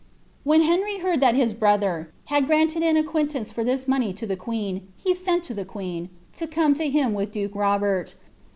When Henry hound that his brother had granted an acquittance for this money to the queen, he sent to the queen, to come to him with duke Robert.